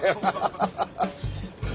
ハハハハ！